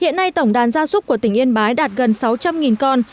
hiện nay tổng đàn gia súc của tỉnh yên bái đạt gần sáu trăm linh con